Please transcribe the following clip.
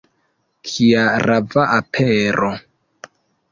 Kia rava apero!